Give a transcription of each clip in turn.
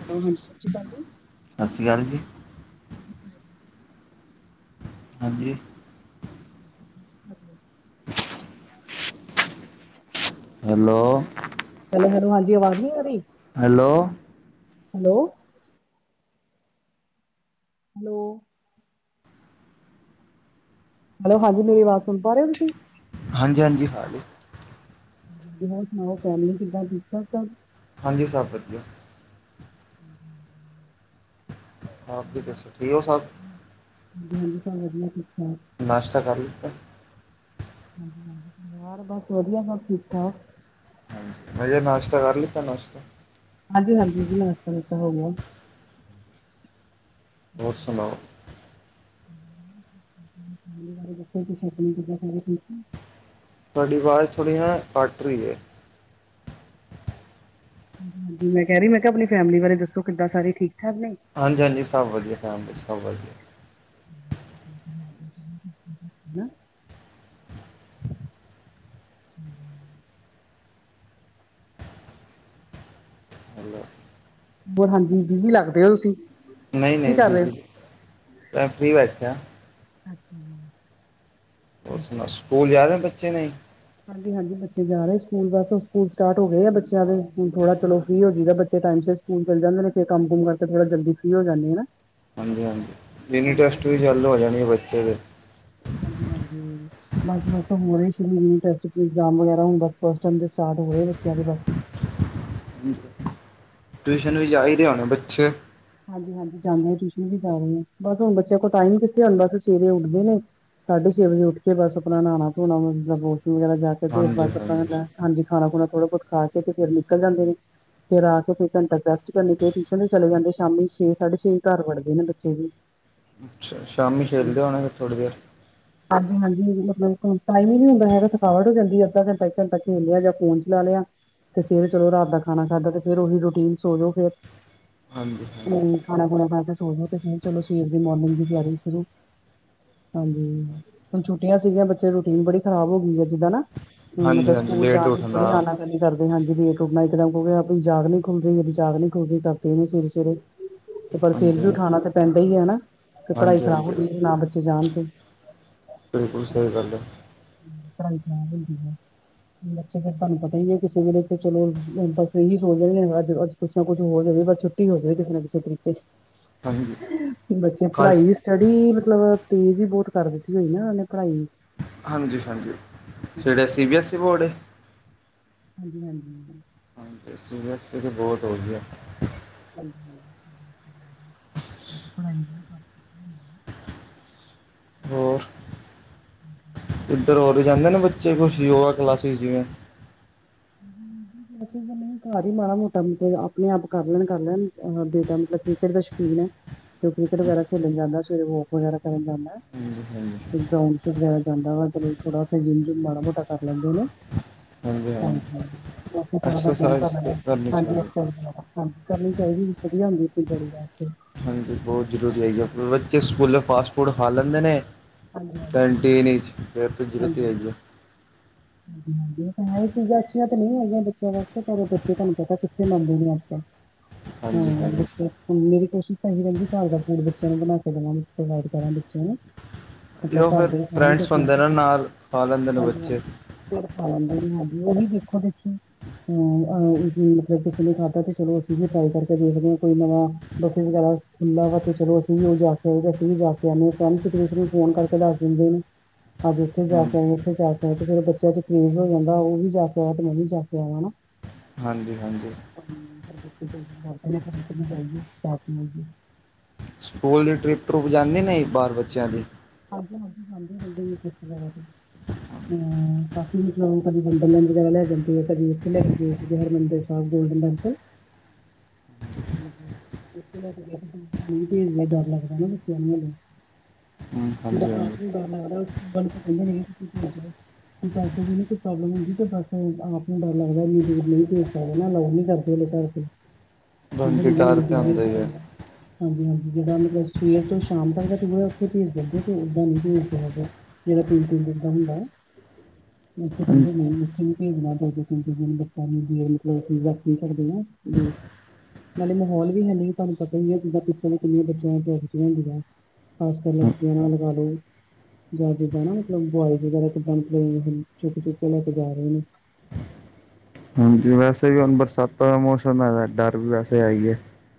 Hello, ਹਾਂਜੀ ਸਤ ਸ਼੍ਰੀ ਅਕਾਲ ਜੀ। ਸਤਿ ਸ਼੍ਰੀ ਅਕਾਲ ਜੀ। ਅੱਛਾ, ਹਾਂਜੀ, ਹਾਂ, ਹੈਲੋ, ਹੈਲੋ-ਹੈਲੋ ਹਾਂਜੀ, ਆਵਾਜ਼ ਆਦੀ ਹੈਲੋ। ਹੈਲੋ, ਹੈਲੋ ਹਾਂਜੀੇ, ਅਵਾਜ਼ ਸੁਣ ਪਾ ਰਹੇ ਹੋ ਤੁਸੀਂ? ਹਾਂਜੀ, ਹਾਂਜੀ, ਹਾਂਜੀ, ਹਾਂਜੀ ਹੋਰ ਸੁਣਾਓ? ਫੈਮਿਲੀ ਕਿੱਦਾਂ ਠੀਕ? ਹਾਂਜੀ ਸਭ ਵਧੀਆ, ਹੂੰ, ਆ ਦੱਸੋ ਠੀਕ ਹੋ ਸਭ? ਹਾਂਜੀ ਹਾਂਜੀ, ਸਭ ਵਧੀਆ ਠੀਕ ਨਾਸ਼ਤਾ ਕਰ ਲਿੱਤਾ ਠਾਕ ਹਾਂਜੀ-ਹਾਂਜੀ, ਪਰਿਵਾਰ ਬਸ ਵਧੀਆ ਸਭ ਠੀਕ-ਠਾਕ, ਮੈ ਕਿਹਾ ਨਾਸ਼ਤਾ ਕਰਲਿਆ ਨਾਸ਼ਤਾ? ਹਾਂਜੀ, ਹਾਂਜੀ, ਜੀ ਨਾਸਤਾ ਨੁਸਤਾ ਹੋਇਆ, ਹੋਰ ਸਣਾਓ? ਕਿਦਾ ਸਾਰੇ ਠੀਕ, ਤੁਹਾਡੀ ਆਵਾਜ਼ ਥੋੜ੍ਹੀ ਐ ਕੱਟ ਰਹੀ ਹੈ। ਹਾਂਜੀ ਮੈਂ ਕਹਿ ਰਹੀ ਮੈਂ ਕਿਹਾ ਆਪਣੀ ਫੈਮਿਲੀ ਬਾਰੇ ਦੱਸੋ? ਕਿੱਦਾਂ ਸਾਰੇ ਠੀਕ ਠਾਕ ਨੇ? ਹਾਂਜੀ-ਹਾਂਜੀ, ਸਭ ਵਧੀਆ ਫੈਮਿਲੀ ਸਭ ਵਧੀਆ, ਹੈ [unintelligible] ਹੈਲੋ, ਹੋਰ ਹਾਂਜੀ, ਬੀਜੀ ਲੱਗਦੇ ਐ ਰੋਟੀ, ਨਹੀਂ-ਨਹੀਂ, ਬਿਜੀ ਮੈ ਫਰੀ ਬੇਠਿਆ। ਅੱਛਾ ਜੀ, ਸਕੂਲ ਜਾਨਾ ਬੱਚੇ ਨੇ, ਹਾਂਜੀ-ਹਾਂਜੀ, ਬੱਚੇ ਜਾ ਰਹੇ ਸਕੂਲ ਬਸ ਸਕੂਲ ਸਟਾਰਟ ਹੋ ਗਏ ਆ, ਬੱਚਿਆਂ ਦੇ ਹੁਣ ਥੋੜਾ ਚਲੋ ਫ੍ਰਰੀ ਹੋ ਜਾਏਗਾ, ਬੱਚੇ ਟਾਈਮ ਸਿਰ ਸਕੂਲ ਚਲੇ ਜਾਂਦੇ ਨੇ, ਫਿਰ ਕੰਮ ਕੁੰਮ ਕਰਕੇ ਥੋੜਾ ਜਲਦੀ ਫ੍ਰੀ ਹੋ ਜਾਂਦੀ ਹਨਾ। ਹਾਂਜੀ-ਹਾਂਜੀ, ਯਾਨੀ ਟੈਸਟ ਵੀ ਚਾਲੂ ਹੋ ਜਾਣੇਗੇ ਬੱਚੇ ਦੇ, ਹਾਂਜੀ, ਹਾਂਜੀ, [unintelligible] ਟਿਊਸ਼ਨ ਵੀ ਜਾ ਰਹੇ ਹੋਣੇ, ਬੱਚੇ? ਹਾਂਜੀ-ਹਾਂਜੀ, ਜਾਂਨੇ ਆ, ਟਿਊਸ਼ਨ ਵੀ ਜਾ ਰਹੇ ਨੇ, ਬੱਸ ਹੁਣ ਬੱਚਿਆਂ ਕੋਲ ਟਾਇਮ ਕਿੱਥੇ ਹੁੰਦਾ, ਬੱਸ ਸਵੇਰੇ ਉੱਠਦੇ ਨੇ ਸਾਢੇ-ਛੇ ਵਜੇ ਉੱਠਕੇ ਬੱਸ ਆਪਣਾ ਨਹਾਣਾ-ਧੋਣਾ ਵਾਸ਼ਰੂਮ ਵਗੈਰਾ ਜਾਕੇ ਤੇ, ਹਾਂਜੀ ਬੱਸ ਆਪਣਾ ਹਾਂਜੀ ਲੈ ਹਾਂਜੀ, ਖਾਣਾ-ਖੁਣਾ, ਥੋੜਾ ਬਹੁਤ ਖਾਕੇ ਤੇ ਫਿਰ ਨਿਕਲ ਜਾਂਦੇ ਨੇ। ਫਿਰ ਆਕੇ, ਕੋਈ ਘੰਟਾ ਕ ਰੈਸਟ ਕਰਨੀ, ਫਿਰ ਟਿਊਸ਼ਨ ਤੇ ਚਲੇ ਜਾਂਦੇ। ਸ਼ਾਮੀ ਛੇ, ਸਾਢੇ ਛੇ ਘਰ ਵੜਦੇ ਨੇ ਬੱਚੇ ਵੀ। ਅੱਛਾ, ਸ਼ਾਮੀ ਖੇਡਦੇ ਹੋਣੈ, ਥੋੜ੍ਹੀ ਦੇਰ? ਹਾਂਜੀ-ਹਾਂਜੀ, ਮੱਤਲਬ ਟਾਈਮ ਹੀ ਨਹੀਂ ਹੁੰਦਾ, ਹੈਗਾ ਥਕਾਵਟ ਹੋ ਜਾਂਦੀ ਅੱਧਾ ਘੰਟਾ ਇੱਕ ਘੰਟਾ ਖੇਲਿਆ ਜਾਂ ਫੋਨ ਚਲਾ ਲਿਆ, ਤੇ ਫਿਰ ਚਲੋ ਰਾਤ ਦਾ ਖਾਣਾ ਖਾਧਾ ਤੇ, ਫਿਰ ਉਹੀ ਰੂਟੀਨ ਸੋਜੋ ਫਿਰ ਹਾਂਜੀ, ਹਾਂਜੀ ਹੂੰ, ਖਾਣਾ ਖੂਣਾ ਖਾ ਕੇ ਸੋਚਦੇ ਚਲੋ, ਸਵੇਰ ਦੀ ਮੋਰਨਿੰਗ ਦੀ ਤਿਆਰੀ ਸ਼ੁਰੂ ਹਾਂਜੀ, ਹੁਣ ਛੁੱਟੀਆਂ ਸੀਗੀਆਂ, ਬੱਚੇ ਰੂਟੀਨ ਬੜੀ ਖਰਾਬ ਹੋ ਗਈ ਹੈ, ਜਿੱਦਾ ਨਾ ਹੂੰ, ਹਾਂਜੀ ਮੱਤਲਬ ਹਾਂਜੀ ਸਕੂਲ ਲੇਟ ਜਾਣ ਵਿੱਚ ਉੱਠਣਾ ਬੜੀ ਆਨਾ ਕਰਦੇ, ਹਾਂਜੀ ਲੇਟ ਉੱਠਣਾ, ਇੱਕਦਮ ਕਿਉਂਕ ਆਪਣੀ ਜਾਗ ਨਹੀਂ ਖੁੱਲਦੀ, ਮੇਰੀ ਜਾਗ ਨੀ ਖੁੱਲਦੀ, ਕਰਦੇ ਨੇ ਸਵੇਰੇ-ਸਵੇਰੇ। ਤੇ ਪਰ ਫਿਰ ਵੀ ਹਾਂਜੀ ਉਠਾਣਾ ਤਾਂ ਪੈਂਦਾ ਹੀਹੈ ਹਣਾ। ਤੇ ਪੜ੍ਹਾਈ ਹਾਂਜੀ ਖ਼ਰਾਬ ਹਾਂਜੀ ਹੁੰਦੀ, ਜੇ ਨਾ ਬੱਚੇ ਜਾਣ ਤੇ। ਬਿਲਕੁੱਲ, ਸਹੀ ਗੱਲ ਐ। ਪੜ੍ਹਾਈ ਖ਼ਰਾਬ ਹੁੰਦੀ ਆ। ਬੱਚੇ ਫਿਰ ਤੁਹਾਨੂੰ ਪਤਾ ਹੀ ਏ, ਕਿਸੇ ਵੇਲੇ ਤੇ ਚਲੋ, ਬੱਸ ਇਹੀ ਸੋਚਦੇ ਅੱਜ ਕੁੱਛ ਨਾ ਕੁੱਛ ਹੋ ਜਾਵੇ, ਬੱਸ ਛੁੱਟੀ ਹੋ ਜਵੇ ਕਿਸੇ ਨਾ ਕਿਸੇ ਤਰੀਕੇ। ਹਾਂਜੀ ਬੱਚੇ ਕੱਲ ਪੜ੍ਹਾਈ ਸਟੱਡੀ, ਮੱਤਲਬ, ਤੇਜ਼ ਹੀ ਬਹੁਤ ਕਰ ਦਿੱਤੀ ਹੋਈ ਨਾ ਉਹਨੇ ਪੜ੍ਹਾਈ। ਹਾਂਜੀ-ਹਾਂਜੀ, ਸਵੇਰੇ ਹਾਂਜੀ ਸੀਬੀਐੱਸੀ ਬੋਰਡ ਏ? ਹਾਂਜੀ-ਹਾਂਜੀ। ਸੀਬੀਐਸਸੀ ਵੀ, ਬੋਰਡ ਹੋ ਗਈ ਹੈ। ਹਾਂਜੀ [unintelligible] ਪੜ੍ਹਾਈ ਹੋਰ? ਹ ਤੁਸੀਂ [unintelligible] ਚੇ ਕੁਛ ਯੋਗਾ ਕਲਾਸਿਸ ਜਿਵੇਂ। [unintelligible] ਬੱਚੇ, ਘਰ ਹੀ ਮਾੜਾ-ਮੋਟਾ ਮਤਲਬ ਆਪਣੇ-ਆਪ ਕਰ ਲੈਣ, ਕਰ ਲੈਣ, ਬੇਟਾ ਮਤਲਬ ਕ੍ਰਿਕਟ ਦਾ ਸ਼ਕੀਨ ਏ। ਤੇ ਕ੍ਰਿਕਟ ਵਗੈਰਾ ਖੇਲਣ ਜਾਂਦਾ, ਸਵੇਰੇ ਵੌਕ ਵਗੈਰਾ ਕਰਨ ਜਾਂਦਾ। ਹਾਂਜੀ ਹਾਂਜੀ ਫਿਰ ਹਾਂਜੀ ਗਰਾੰਊਂਡ'ਚ ਵਗੈਰਾ ਜਾਂਦਾ ਵਾ, ਚਲੋ ਥੋੜਾ ਉੱਥ ਜਿੰਮ-ਜੂੰਮ ਮਾੜਾ-ਮੋਟਾ ਕਰ ਲੈਂਦੇ ਨੇ। ਹਾਂਜੀ, ਥੋੜਾ-ਬਹੁਤ ਜਿੰਮ ਕਰ ਐਕਸਰਸਾਈਜ਼ ਤਾਂ ਲੇਂਦਾ, ਕਰਨੀ ਹਾਂਜੀ, ਚਾਹੀਦੀ ਐਕਸਰਸਾਈਜ਼ ਵਗੈਰਾ। ਹਾਂਜੀ ਕਰਨੀ ਚਾਹੀਦੀ ਜੀ, ਵਧੀਆ ਹੁੰਦੀ ਅਪਨੀ ਬੌੜੀ ਵਾਸਤੇ। ਹਾਂਜੀ, ਬਹੁਤ ਜ਼ਰੂਰੀ ਹੈਈ ਆ, ਹਾਂਜੀ ਬੱਚੇ ਸਕੂਲੇ ਫਾਸਟ-ਫੂਡ ਖਾ ਲੈਂਦੇ ਨੇ ਹਾਂਜੀ ਹਾਂਜੀ ਹਾਂਜੀ ਕੈਂਟੀਨ ਈਚ। ਫਿਰ ਤਾਂ ਤੇਲ ਹੀ ਆ। ਹਾਂਜੀ-ਹਾਂਜੀ, ਇਹ ਤਾਂ ਚੀਜ਼ਾਂ ਅੱਛੀਆਂ ਤਾਂ ਨਹੀਂ ਹੈਗੀਆਂ ਬੱਚਿਆਂ ਵਾਸਤੇ, ਪਰ ਬੱਚੇ ਤੁਹਾਨੂੰ ਪਤਾ ਕਿੱਥੇ ਮੰਨਦੇ ਨੇ ਅੱਜ-ਕੱਲ। ਹਾਂ [inaudible] ਹਾਂ, ਬੱਚੇ ਹੁਣ ਮੇਰੀ ਕੋਸ਼ਿਸ਼ ਤਾਂ ਇਹੀ ਰਹਿੰਦੀ, ਘਰ ਦਾ ਫੂਡ ਬੱਚਿਆਂ ਨੂੰ ਬਣਾਕੇ ਦੇਵਾਂ ਕਰਾਂ ਬੱਚਿਆਂ ਨੂੰ। ਮਤਲਬ, ਉਹ ਘਰ ਫਿਰ ਦੇ ਖਾਣ ਤੇ ਫਰੈਂਡਸ ਸਹੀ। ਹੁੰਦੇ ਨੇ ਨਾਲ ਖਾ ਲੈਂਦੇ ਨੇ ਬੱਚੇ ਫਿਰ ਖਾ ਲੈਂਦੇ ਹਾਂਜੀ, ਉਹੀ ਦੇਖੋ-ਦੇਖੀ। ਮਤਲਬ ਕਿਸੇ ਨੇ ਖਾਧਾ ਤੇ ਚਲੋ, ਅਸੀਂ ਵੀ ਟ੍ਰਾਈ ਕਰਕੇ ਦੇਖਦੇ ਹਾਂ, ਕੋਈ ਨਵਾ ਬਫੇ ਵਗੈਰਾ ਖੁੱਲ੍ਹਾ ਵਾ ਤੇ ਚਲੋ, ਅਸੀਂ ਵੀ ਉਹ ਜਾਕੇ ਆਏ ਤੇ ਅਸੀਂ ਵੀ ਜਾਕੇ ਆਂਨੇ ਆ, ਫਰੈਂਡਸ ਇੱਕ-ਦੂਸਰੇ ਨੂੰ ਫੋਨ ਕਰ ਦੱਸ ਦਿੰਦੇ ਨੇ, ਅੱਜ ਇੱਥੇ ਹਮ ਜਾਕੇ ਆਏ, ਇੱਥੇ ਜਾਕੇ ਆਏ, ਤੇ ਫਿਰ ਬੱਚਿਆਂ'ਚ ਕ੍ਰੇਜ਼ ਹੋ ਜਾਂਦਾ, ਉਹ ਵੀ ਜਾਕੇ ਆਇਆ, ਤੇ ਮੈਂ ਵੀ ਜਾਕੇ ਆਵਾਂ ਨਾ। ਹਾਂਜੀ-ਹਾਂਜੀ। ਹਾਂਏ ਚ ਆਈਏ [unintelligible] ਸਕੂਲ ਦੀ ਟ੍ਰੀੱਪ-ਟਰੁਪ ਜਾਂਦੀ ਨੇ, ਇਸ ਬਾਰ ਬੱਚਿਆ ਦੀ। ਹਾਂਜੀ-ਹਾਂਜੀ ਹਾਂਜੀ [unintelligible] ਹੂੰ, ਕਾਫੀ ਮਤਲਬ ਕਦੇ ਵੰਡਰਲੈਂਡ ਵਗੈਰਾ ਲੈ ਜਾਂਦੇ ਆ, ਕਦੀ ਇੱਥੇ ਲੈਕੇ ਗਏ ਸੀਗੇ, ਹਰਮੰਦਿਰ ਹਾ, ਗੋਲਡਨ ਟੇੰਪਲ। [inaudible] ਡਰ ਲੱਗਦਾ ਨਾ ਬੱਚਿਆਂ ਨੂੰ ਹਲੇ ਹਮ ਜਿੱਦਾਂ ਹਾਂਜੀ ਆਪ ਹਾਂਜੀ ਨੂੰ ਡਰ ਲੱਗਦਾ ਬਣ ਕੇ ਕਹਿੰਦੇ ਨ ਤੁਸੀਂ ਭੇਜ ਪੈਸੇ ਦੀਨ ਕੋਈ ਪ੍ਰੋਬਲਮ ਹੁੰਦੀ ਤੇ ਬਸ ਆਪ ਨੂੰ ਡਰ ਲੱਗਦਾ ਵੀਰ ਨਹੀਂ। ਨਾ ਲ ਨੀ ਕਰਦੇ ਘਰ ਬੰਗੀ ਡਰ ਤੇ ਆਉਂਦਾ ਹੀ ਹੈ। ਹਾਂਜੀ-ਹਾਂਜੀ, ਜਿਦਾਂ ਮਤਲਬ, ਸਵੇਰ ਤੋਂ ਸ਼ਾਮ ਤੱਕ ਦਾ ਟੂਰ [unintelligible] ਹੁੰਦਾ ਜੇਰਾ ਤਿੰਨ -ਤਿੰਨ ਦਿਨ ਦਾ ਹੁੰਦਾ। ੳਹ ਕਹਿੰਦਾ ਮੈ ਨਹੀਂ ਦੇਖਿਣੀ। ਬੱਚਾ ਨੂੰ ਮਤ [unintelligible] ਲਬ ਅਸੀ ਰੱਖ ਨੀ ਸਕਦੇ ਆ ਨਾਲੇ ਮਾਹੌਲ ਵੀ ਹੈਨੀ ਤੁਹਾਨੂੰ ਪਤਾ ਹੀ ਹੈ ਜਿੱਦਾਂ ਕਿੰਨੀਆਂ [unintelligible] ਬੱਚਿਆਂੈਠਆਂੁੰਦੀਆਂ ਖਾਸ ਕਰ ਲੜਕੀਆਂ ਨਾਲ ਲਗਾ ਲੋ। ਜਾਂ ਜਿੱਦਾਂ ਨਾ ਮਤਲਬ ਬੁਆਈ ਵਗੈਰਾ ਕਿੱਦਾਂਤ ਚੁਟੇ- ਚੁੱਟੇ ਲੈ ਕੇ ਜਾ ਰਹੇ ਨੇ। ਹਾਂਜੀ, ਵੈਸੇ ਵੀ ਹੁਣ ਬਰਸਾਤਾਂ ਦਾ ਮੌਸਮ ਹੈਗਾ ਡਰ ਵੀ ਵੈਸੇ ਹੈ ਆਏ।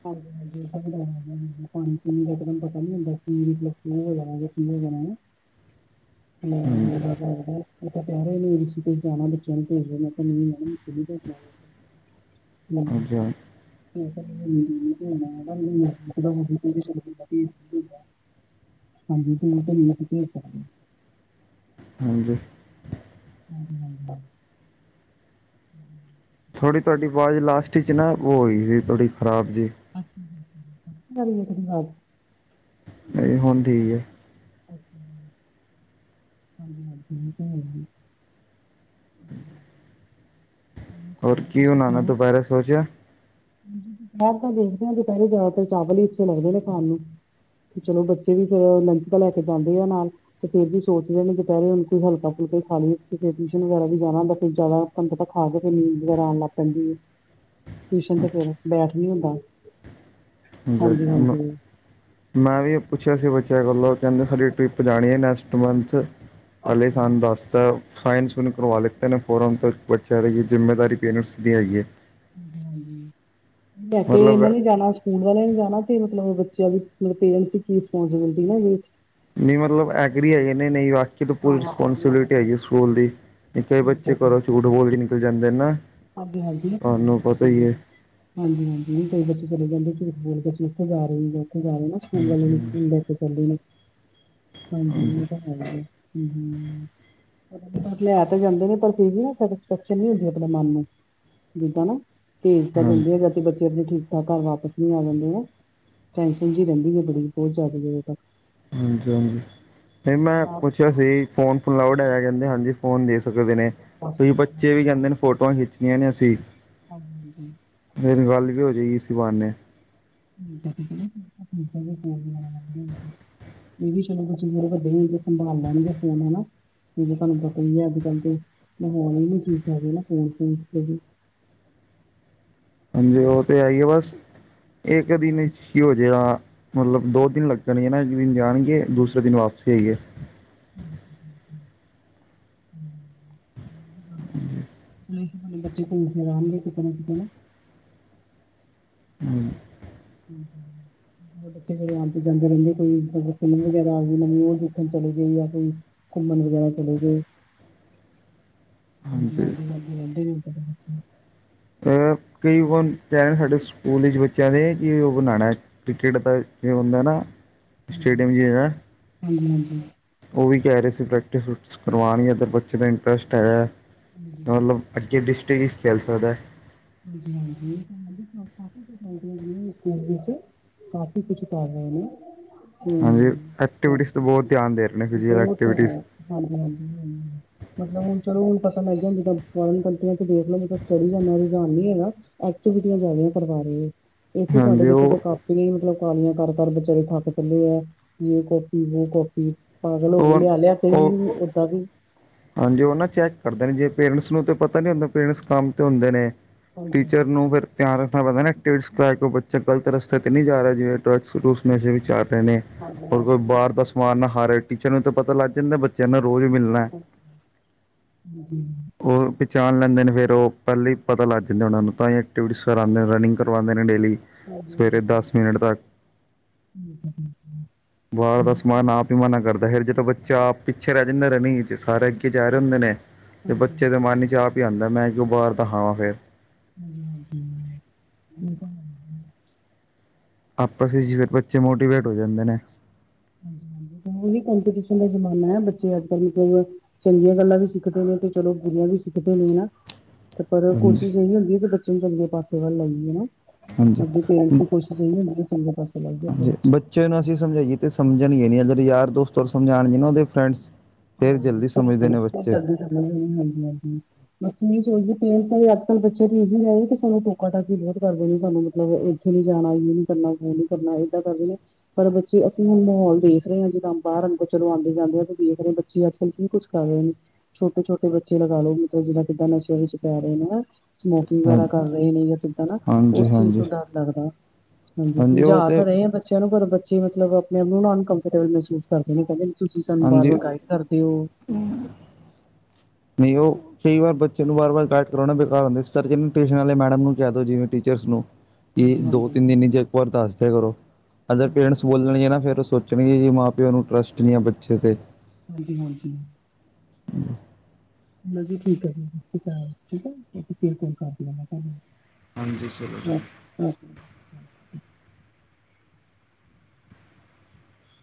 ਹਾਂਜੀ- [unintelligible] ਹਾਂਜੀ ਪਾਣੀੀਣੀ ਦਾੂੰ ਪਤਾ ਨੀ ਹੁੰਦਾ ਜਾ ਕੀ ਹੋ ਜਾ [inaudible] ਵਿ ਜਾਣਾ ਪ [unintelligible] [inaudible] ਹਮ, ਹਾਂਜੀ ਹਾਂ ਠੀ [unintelligible] ਹਾਂਜੀ, ਮੈ ਤੁਹਾਡੇ ਨਾਲ ਕਲੀਅਰ ਕਰਨੀ। ਹਾਂਜੀ। ਹਮ ਹਮ ਥੋੜ੍ਹੀ ਤੁਹਾਡੀ ਆਵਾਜ਼ ਲਾਸਟ 'ਚ ਨਾ ਉਹ ਹੋਈ ਸੀ ਥੋੜ੍ਹੀ ਖਰਾਬ ਜੀ। ਸਤੀ ਤੁਡੀ ਆਵਾਜ਼ [unintelligible] ਨਹੀਂ ਹੁਣ ਠੀਕ ਹੈ। ਹਾਂਜੀ- ਹਾਂਜੀ ਉਹ ਤੇ ਹੈ। ਹਮ [inaudible] ਹੋਰ ਕੀ ਬਣਨਾਂ ਸੁਣਾਓ ਦੁਪੇਹਿਰੇ ਸੋਚਿਆ। ਦੁਪਹਿਰ ਤਾਂ ਦੇਖਦੇ ਹਾਂ ਪਹਿਲੇ ਜ਼ਿਆਦਾਤਰ ਚਾਵਲ ਹੀ ਇੱਥੇ ਲੱਗਦੇ ਨੇ ਖਾਣ ਨੂੰ। ਚਲੋ, ਬੱਚੇ ਵੀ ਫਿਰ ਲੰਚ ਦਾ ਲੈ ਕੇ ਜਾਂਦੇ ਆ ਨਾਲ। ਤੇ ਫੇਰ ਵੀ ਸੋਚ ਰਹੇ ਨੇ ਦਪਹਿਰੇ ਕੋਈ ਹਲਕਾ- ਫੁਲਕੇ ਖਾ ਲਈ ਟਿਊਸ਼ਨ ਵਗੈਰਾ ਵੀ ਜਾਣਾ ਹੁੰਦਾ ਕਈ ਜ਼ਿਆਦਾ। ਬੰਦੇ ਤਾਂ ਖਾ ਕੇ ਫੇਰ ਨੀਂਦ ਵਗੈਰਾਉਣ ਲਗ ਪੈਂਦੀ ਹੈ। ਟਿਊਸ਼ਨ ਤੇ ਫੇਰ ਬੈਠ ਨਹੀ ਹੁੰਦਾ। ਜ ਹਾਂਜੀ ਹਾਂਜੀ ਮ ਹਾਂਜੀ ਮੈਂ ਵੀ ਪੁੱਛਿਆ ਸੀ ਬੱਚਿਆਂ ਕੋਲੋਂ ਕਹਿੰਦੇ, ਸਾਡੀ ਟਰਿਪ ਜਾਣੀ ਹੈ ਨੈਕਸਟ ਸਟ ਮੰਥ। ਹਾਲੇ ਸਨ ਦਸ ਤਾਂ। ਸਾਇੰਸ ਵੀ ਨਹੀਂ ਕਰਵਾ ਲਿੱਤੇ ਨੇ ਫੋਮ ਤੋਂ ਬੱਚਿਆਂ ਦੇ ਜ਼ਿੰਮੇਦਾਰੀ ਪੈਰਂਸਟ ਦੀ ਹੈਗੀ ਹੈ। ਬੈਠੇ, ਮਤਲਬ ਇਹਨਾਂ ਨੇ ਜਾਣਾ ਸਕੂਲ। ਸਕੂਲ ਵਾਲਿਆਂ ਨੂੰ ਜਾਣਾ ਮਤਲਬ ਬੱਚਿਆਂ ਦੀ ਪੈਰੇਂਸਟ ਦੀ ਕੀ ਰਿਸਪੁਸਬਿਲਟੀ ਏ। ਨਹੀਂ ਮਤਲਬ ਐਗਰੀ ਹੈਗੇ ਨੇ ਨਹੀਂ। ਵਕ ਤਾਂ ਪੂਰੀ ਹਾਂ ਇਹ ਵੀ ਰਿਸਪੋਂਸੀਬਿਲਿਟੀ ਹੈਗਾ। ਹੈਗੀ ਸਕੂਲ ਦੀ। ਕਈ ਠੀਕ ਬੱਚੇ ਘਰੋਂ ਝੂਠ ਬੋਲ ਕੇ ਨਿਕਲ ਜਾਂਦੇ ਨਾ। ਅੱਗੇ ਹਾਂਜੀ। ਤੁਹਾਨੂੰ ਪਤਾ ਹੀ ਹੈ ਹਾਂਜੀ -ਹਾਂਜੀ ਵੀ ਕਈ ਬੱਚੇ ਚਲੇ ਜਾਂਦੇ ਝੂਠ ਬੋਲ ਬੱਚੇ ਉੱਥੇ ਜਾ ਰਹੇ। ਉਥੇ ਜਾ ਰਹੇ ਨਾ ਸਕੂਲ ਵਾਲੇ ਨੂੰ ਹਾਂਜੀ ਸਕੂਲ ਲੈ ਕੇ ਚੱਲਦੇ ਨੇ। ਹਾਂਜੀ। ਹਉ-ਹਉ ਲੈ ਤਾਂ ਜਾਂਦੇ ਨੇ ਪਰ ਵੀ ਨਾ ਸੈਟਿਸਫੈਕਸ਼ਨ ਨ ਹੁੰਦੀ ਆਪਣੇ ਮਨ ਨੂੰ। ਜਿੱਦਾਂ ਨਾ ਭੇਜ ਤੇ ਦੰਦੇ ਆ ਹਾਂਜੀ ਜਾ ਬੱਚੇ ਠੀਕ ਤਾਂ ਘਰ ਵਾਪਸ ਨਹੀਂ ਆ ਜਾਂਦੇ ਆ। ਟੈਨਸ਼ਨ ਜਿ ਰਹਿੰਦੀ ਹੈ ਬੜੀ ਬਹੁਤ ਜ਼ਿਆਦਾ ਦੇ ਤੱਕ। ਹਾਂਜੀ- ਹਾਂਜੀ ਨਹੀਂ, ਮੈਂ ਨਾ ਪੁੱਛਿਆ ਸੀ ਫੋਨ- ਫਨਲਾਊਡ ਹਾਂਜੀ ਹੈਇਆ। ਕਹਿੰਦੇ ਹਾਂਜੀ। ਫੋਨ ਦੇ ਸਕਦੇ ਨੇ। ਇਹ ਤੇ ਬੱਚੇ ਵੀ ਕਹਿੰਦੇ ਨੇ ਫੋਟੋਆਂ ਖਿੱਚਣੀਆਂ ਨੇ ਅਸੀਂ। ਹਾਂਜੀ, ਹਾਂਜੀ। ਮੇਰੀ ਗੱਲ ਵੀ ਹੋ ਜਏਗੀ ਇਸੀ ਬਾਣੇ [inaudible] [inaudible] ਇਹ ਵੀ ਚਲੋ ਕੂਚ ਵਦੀਆ ਵੱਡਾ ਸੰਭਾਲ ਲੈਣਗੇ ਫੋਨ ਹਨਾਂ! [unintelligible] ਜ ਤੁਹਾਨੂੰ ਪਤਾ ਹੀ ਹੈ ਅੱਜ ਕੱਲ ਦੇ ਮਾਹੌਲ ਵੀ ਠੀਕ ਹੈਗੇ ਨਾ ਫੋਨ ਫੋਨ ਵੀ ਹਾਂਜੀ ਉਹ ਤੇ ਹੈ ਹੇ ਬਸ, ਏਹ ਕਦੀ ਦਿਨ ਕੀ ਹੋ ਜੇਹਾ ਮਤਲਬ ਦੋ ਦਿਨ ਲੱਗ ਜਾਣੀਆਂ ਨਾ ਇੱਕ ਦਿਨ ਜਾਣਗੇ ਦੂਸਰੇ ਦਿਨ ਵਾਪਸੀ ਆਏ। [inaudible] ਬੱਚਾ ਘੁੰਮ ਫ਼ੇਰ ਆਉਣਗੇ, ਕਿੱਥੇ ਨਾਂ ਕਿੱਥੇ ਨਾਂ ਹਂ [inaudible] [unintelligible] ਬੱਚੇ ਆ ਕੇ ਜਾਂਦੇ ਰਹਿੰਦੇ ਕੋਈ ਫਿਲਮ ਵਗੈਰਾ ਆ ਗਈ ਨਵੀ ਉਹ ਉਥਣ ਚਲੇ ਗਏ ਆ ਕੋਈ ਘੁੰਮਣ ਵਗੈਰਾ ਚਲੇ ਗਏ। [inaudible] ਹਾਂਜੀ ਹਾਂਜੀ ਹਾਂਜੀ [unintelligible] ਕਈ ਉਹਣ ਪਹਿ ਸਾਡੇ ਸਕੂਲ ਵਿੱਚ ਬੱਚਿਆਂ ਦੇ ਕਿ ਉਹ ਬਣਾਉਣਾ ਟਿਕਟ ਤਾਂ ਇਹ ਹੁੰਦਾ ਨਾਂ। ਹਾਂਜੀ, ਹਾਂਜੀ ਹਾਂਜੀ। ਉਹ ਵੀ ਕਹਿ ਰਹੇ ਸੀ ਪ੍ਰੈਕਟਿਸ ਪ੍ਰੂਕਟਿਸ ਕਰਵਾਣਗੇ, ਇੱਧਰ ਬੱਚੇ ਦਾ ਇੰਟਰਸਟ ਹੈਗਾ ਹਾਂਜੀ ਮਤਲਬ ਅੱਗੇ ਡਿਸਟ੍ਰਿਕ ਖਲ ਸਕਦਾ ਐ। ਹਾਂਜੀ ਹਾਂਜੀ [unintelligible] ਫੋਨ ਵਿੱਚ ਕਾਫੀ ਕੁਛ ਕਰ ਰਹੀ ਨਾਂ। ਹਂ ਹਾਂਜੀ ਐਕਟੀਵਿਟੀਜ਼ 'ਤੇ ਕਾਪੀ ਬਹੁਤ ਧਿਆਨ ਦੇ ਰਹੇ ਨੇ ਫਿਜ਼ੀਕਲ ਬੋਤ ਐਕਟੀਵਿਟੀਜ਼ ਹਾਂਜੀ ਹਾਂਜੀ ਹਾਂ, ਮਤਲਬ ਹੁਣ ਚਲੋ ਹੁਣ ਫਸਲ ਲੈ ਜਾਂ [inaudible] [unintelligible] ਦੇਖ ਲਓ ਸਟੱਡੀ ਦਾ ਰੁਝਾਣ‌ ਨੀਂ ਹੇਗਾ, ਐਕਵਿਟੀਆਂ ਜਾਦਾ ਕਰਵਾ ਰਹੇ ਐ। ਇਥੇ ਸਾਡੇ ਹਾਂਜੀ ਵਿੱਚ ਉਹ ਕਾਪ [unintelligible] ਮਤਲਬ ਕਾਲੀਆਂ ਕਰ ਕਰ ਵਿਚਾਰੇ ਥੱਕ ਚੱਲੇ ਏ, ਦੇ ਕਾਪੀ ਵੂ ਕਾਪੀ ਪਾਗਲ ਹੋ ਕੇ, ਉਹ ਲਿਆ-ਲਿਆ ਕੇ ਵੀ, ਉਹ ਓਦਾਂ ਵੀ। ਹਾਂਜੀ ਉਹ ਨਾ ਚੈੱਕ ਕਰਦੇ ਨੇਂ, ਜੇ ਪੇਰੈਂਟਸ ਨੂੰ ਤਾਂ ਪਤਾ ਨਈਂ ਹੁੰਦਾ, ਪੇਰੈਂਟਸ ਕੰਮ ਤੇ ਹੁੰਦੇ ਨੇਂ। ਹਾਂਜੀ ਟੀਚਰ ਨੂੰ ਫਿਰ ਧਿਆਨ ਰੱਖ ਪੈਂਦਾਂ ਨਾਂ ਟੇਡਸ ਕਰ ਕੋ ਬੱਚਾ ਗਲਤ ਰਸਤੇ ਤੇ ਨਹੀਂ ਜਾ ਰਿਹਾ ਜਿਵੇਂ ਡਰਗਸੂਸ ਮੈੇ ਵਿਚ ਚਰ ਰਹੇ ਨੇਂ। ਹਾਂਜੀ ਹੋਰ ਕੋਈ ਹਾਂਜੀ ਬਾਹਰ ਦਾ ਬਹੁਤ- ਸਮਾਨ ਨਾਂ ਖਾ ਰੇ ਟੀਚਰ ਨੂੰ ਤਾਂ ਪਤਾ ਲੱਗ ਜਾਂਦਾ, ਬੱਚਿਆਂ ਨੂੰ ਰੋਜ਼ ਮਿਲਣਾ। ਹਂ ਉਹ ਪਹਿਚਾਣ ਲੈਂਦੇ ਨੇਂ, ਫਿਰ ਉਹ ਪਹਿਲਾਂ ਹੀ ਪਤਾ ਲੱਗ ਜਾਂਦਾ ਉਹਨਾਂ ਨੂੰ ਤਾਂ ਹੀ ਐਕਟੀਵਿਟੀਜ਼ ਕਰਉਂਦੇ ਨੇਂ, ਰਨਿੰਗ ਕਰਵਾਉਂਦੇ ਨੇ ਡੇਲੀ। ਹਾਂਜੀ ਸਵੇਰੇ ਹਾਂਜੀ, ਦਸ ਮਿੰਟ ਤੱਕ ਠੀਕ ਆ, ਠੀਕ ਐ। ਵੀ ਮਨਾਂ ਕਰਦਾ, ਫਿਰ ਜਦੋਂ ਬੱਚਾ ਆਪ ਪਿੱਛੇ ਰਹਿ ਜਾਂਦਾ ਰਨਿੰਗ ਇਚ, ਸਾਰੇ ਅੱਗੇ ਜਾ ਰਹੇ ਹੁੰਦੇ ਨੇਂ। ਤੇ ਹਾਂਜੀ ਬੱਚੇ ਦੇ ਮਨ ਚ ਆਪ ਹੀ ਆਂਦਾ ਮੈਂ ਕਿਉਂ ਬਾਹਰ ਦਾ ਖਾਵਾਂ ਫੇਰ ਹਂ, ਹਂ ਆਪਸ ਵਿੱਚ ਫਿਰ ਬੱਚੇ ਮੋਟੀਵੇਟ ਹੋ ਜਾਂਦੇ ਨੇਂ। ਹਾਂਜੀ ਹਾਂਜੀ ਓਹ ਕੰਪਿਟੇਸ਼ਨ ਦਾ ਜ਼ਮਾਨਾ ਆ, ਬੱਚੇ ਅੱਜ -ਕੱਲ ਮਤਲਬ ਚੰਗੀਆਂ ਗੱਲਾਂ ਵੀ ਸਿੱਖਦੇ ਨੇਂ ਤੇ ਚਲੋ ਬੁਰੀਆਂ ਵੀ ਸਿੱਖਦੇ ਨੇਂ ਨਾਂ। ਤੇ ਪਰ ਹਾਂਜੀ ਕੋਸ਼ਿਸ਼ ਇਹੀ ਹੁੰਦੀ ਏ ਕਿ ਬੱਚੇ ਨੂੰ ਚੰਗੇ ਪਾਸੇ ਵੱਲ ਲਾਈਏ ਹਨਾਂ। ਹਾਂਜੀ ਅਗੋ ਪੇਰੈਂਟਸ ਦੀ ਕੋਸ਼ਿਸ਼ ਇਹਓ ਹੁੰਦੀ ਐ, ਚੰਗਾ ਪਾਸੇ ਲਾਇਏ ਆਪਣੇ ਬੱਚੇ ਨੂੰ। ਅਸੀਂ ਸਮਝਾਈਏ ਤੇ ਸਮਝਣਗੇ ਨੀਂ, ਅਗਰ ਯਾਰ-ਦੋਸਤ ਸਮਝਾਣਗੇ ਨਾਂ ਉਹਦੇ ਫਰੈਂਡਸ ਫੇਰ ਜਲਦੀ ਸਮਝਦੇ ਨੇ ਬੱਚੇ ਹਂ, ਹਾਂਜੀ ਹਾਂਜੀ। ਬੱਚੇ ਇਹੀ ਸੋਚਦੇ ਪੇਰੇਂਟਸ ਅੱਜਕੱਲ ਬੱਚੇ ਸਾਨੂੰ ਟੋਕਾ-ਟਾਕੀ ਬਹੁਤ ਕਰਦੇ ਨੇਂ, ਸਾਨੂੰ ਮਤਲਬ ਇਹ ਕਿਥੇ ਨੀਂ ਜਾਣਾ ਇਹ ਨੀਂ ਕਰਨਾ, ਕਿ ਨੀਂ ਕਰਨਾਂ, ਏਦਾਂ ਕਰਦੇ ਨੇਂ ਪਰ ਬੱਚੇ ਅਸੀਂ ਹੁਣ ਮਾਹੌਲ ਦੇਖ ਰਹੇ ਆਂ, ਜਿਦਾ ਬਾਹਰ ਨੂੰ ਚਲ ਆਂਦੇ-ਜਾਂਦੇ ਆ ਦੇਖ ਰਹੇ ਆਂ ਬੱਚ ਜੀ ਅਲ ਕਿ ਕੁਛ ਕਰ ਰਹੇ ਨੇਂ ਛੋਟੇ- ਛੋਟੇ ਬੱਚੇ ਲਗਾ ਲੋ, ਮਤਲਬ ਜਿਦਾ ਕਿਦਾ ਨਸ਼ੇ ਵਿਚ ਪੈ ਰਹੇ ਨੇਂ ਆਂ ਸਮੋਕਿਗ ਹਾਂ ਵਗੈਰਾ ਕਰ ਰਹੇ ਨੇਂ ਜਾਂ ਕਿਦਾਂ ਨਾਂ ਹਾਂਜੀ ਉਸ ਚੀਜ਼ ਹਾਂਜੀ ਤੋਂ ਡਰ ਲਗਦਾ। ਹਾਂਜੀ ਉਹ ਸਮਝਾ ਤਾਂ ਤੇ ਰਹੇ ਆ ਬਚੇ ਚਲੋ ਪਰ ਬੱਚੇ ਮਤਲਬ ਆਪਣੇ ਆਪ ਨੂੰ ਅਨਕੰਫਰਟੇਬਲ ਮਹਿਸੂਸ ਕਰਦੇ ਨੇ ਕਹਿਦੇ ਤੁਸੀ ਸਾਨੂੰ ਵਾਰ ਹਾਂਜੀ -ਵਾਰ ਗਾਈਡ ਕਰਦੇ ਹੋ- ਨਹੀ ਉਹ- ਕਈ ਵਾਰ ਬੱਚੇ ਨੂੰ ਵਾਰ ਵਾਰ ਗਾਈਡ ਕਰਾਉਣਾ ਬੇਕਾਰ ਹੁੰਦਾ, ਇਸ ਕਰਕੇ ਟਿਊਸ਼ਨ ਵਾਲੇ ਮੈਡਮ ਨੂੰ ਕਹਿ ਦਿਓ ਜਿਵੇ ਟੀਚਰਸ ਨੂੰ ਕਿ ਹਾਂਜੀ ਹਾਂਜੀ ਦੋ ਤਿੰਨ ਦਿਨ ਜੇ ਇਕ ਵਾਰ ਦਸਦੇ ਕਰੋ ਅਗਰ ਪੇਰੈਂਟਸ ਬੋਲਣਗੇ ਨਾ ਫਿਰ ਸੋਚ ਸੋਚਣਗੇ ਜੀ, ਮਾਂ- ਪਿਓ ਨੂੰ ਟਰੱਸਟ ਨਹੀ ਆ ਬੱਚੇ ਤੇ ਹਾਂਜੀ- ਹਾਂਜੀ- ਹਮ [inaudible] [inaudible] ਜੀ ਠੀਕ ਹੈ। ਠੀਕ ਫ ਕਰ ਤੁ- [unintelligible] ਹਾਂਜੀ ਚਲੋ- ਹਮ [unintelligible]